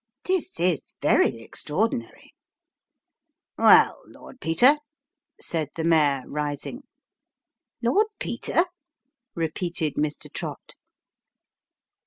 " This is very extra ordinary !"" Well, Lord Peter," said the mayor, rising. " Lord Peter ?" repeated Mr. Trott.